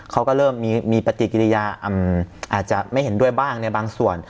เขาก็เริ่มมีปฏิกิริยาอาจจะไม่เห็นด้วยบ้างในบางส่วน